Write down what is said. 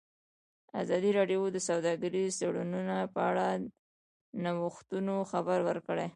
ازادي راډیو د سوداګریز تړونونه په اړه د نوښتونو خبر ورکړی.